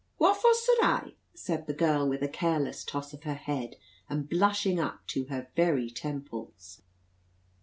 "What for sud I?" said the girl with a careless toss of her head, and blushing up to her very temples.